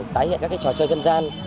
tái hiện các trò chơi dân gian